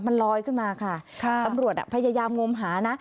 มันลอยขึ้นมาค่ะตำรวจพยายามงมหานะ